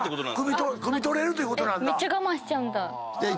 めっちゃ我慢しちゃうんだ。